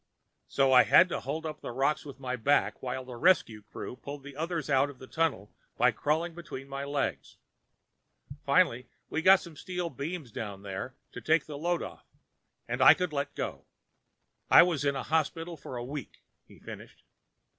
"—so I had to hold up the rocks with my back while the rescue crew pulled the others out of the tunnel by crawling between my legs. Finally, they got some steel beams down there to take the load off, and I could let go. I was in the hospital for a week," he finished.